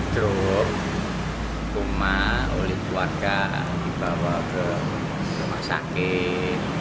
truk rumah oleh keluarga dibawa ke rumah sakit